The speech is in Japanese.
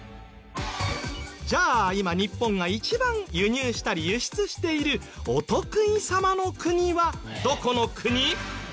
じゃあ今日本が一番輸入したり輸出しているお得意様の国はどこの国？